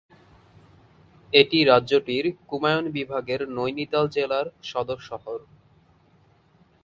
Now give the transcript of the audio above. এটি রাজ্যটির কুমায়ুন বিভাগের নৈনিতাল জেলার সদর শহর।